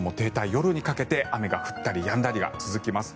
夜にかけて雨が降ったりやんだりが続きます。